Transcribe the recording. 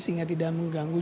sehingga tidak mengganggu